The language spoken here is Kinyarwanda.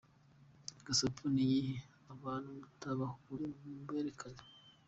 Gasopo ni iyihe, abantu mubatahure muberekane.